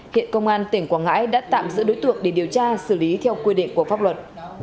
hiện công an tỉnh quảng ngãi đã tạm giữ đối tượng để điều tra xử lý theo quy định của pháp luật